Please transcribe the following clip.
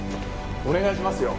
お願いしますよ。